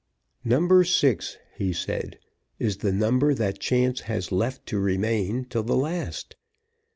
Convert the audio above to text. "Number Six," he said, "is the number that chance has left to remain till the last.